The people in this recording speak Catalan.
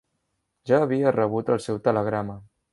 Ja havia rebut el seu telegrama.